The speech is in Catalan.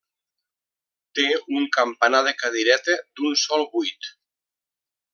Té un campanar de cadireta d'un sol buit.